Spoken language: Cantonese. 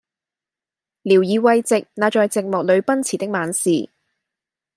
聊以慰藉那在寂寞裏奔馳的猛士，